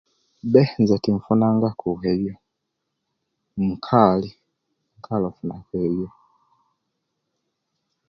Be nze tinfunangaku ebyo nkali nkali okufuna ku ebyo